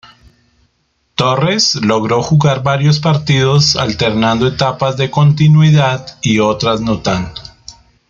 Torres logró jugar varios partidos alternando etapas de continuidad y otras no tanto.